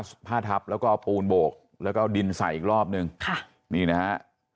สุดท้าทัพแล้วก็ปูลโบกแล้วก็ดินใส่อีกรอบหนึ่งนี่นะคะ